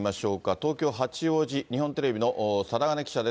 東京・八王子、日本テレビの貞包記者です。